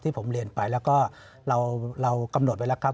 ผมเรียนไปแล้วก็เรากำหนดไว้แล้วครับ